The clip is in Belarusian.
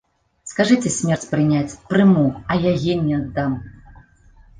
Скажыце смерць прыняць, прыму, а яе не аддам!